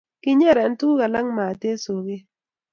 kinyere tuguk alak maat eng' soket